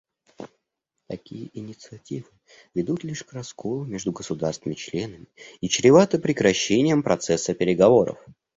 Такие инициативы ведут лишь к расколу между государствами-членами и чреваты прекращением процесса переговоров.